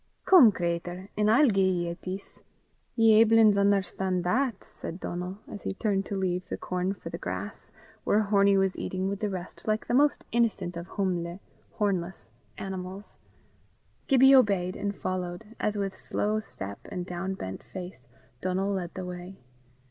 "Come, cratur, an' I'll gie ye a piece: ye'll aiblins un'erstan' that!" said Donal, as he turned to leave the corn for the grass, where Hornie was eating with the rest like the most innocent of hum'le (hornless) animals. Gibbie obeyed, and followed, as, with slow step and downbent face, Donal led the way.